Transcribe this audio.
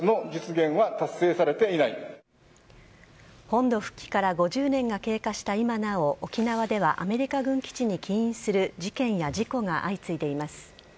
本土復帰から５０年が経過した今なお沖縄ではアメリカ軍基地に起因する事件や事故が相次いでいます。